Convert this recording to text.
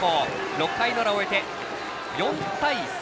６回の裏を終えて４対３。